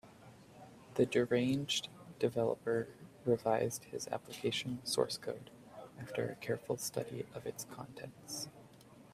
The deranged developer revised his application source code after a careful study of its contents.